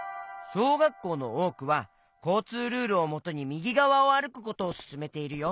しょうがっこうのおおくはこうつうルールをもとにみぎがわをあるくことをすすめているよ。